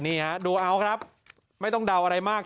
นี่ฮะดูเอาครับไม่ต้องเดาอะไรมาก